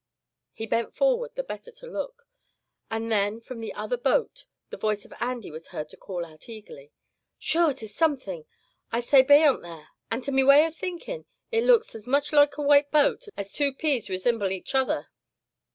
He bent forward the better to look. Just then from the other boat the voice of Andy was heard to call out eagerly: "Sure, 'tis something I say beyant there; and to me way of thinkin' it looks as much loike a white boat as two peas resimble aich ither!"